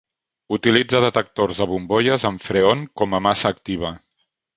Utilitza detectors de bombolles amb Freon com a massa activa.